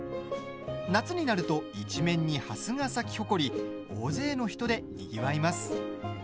夏になると一面にハスが咲き誇り大勢の人でにぎわいます。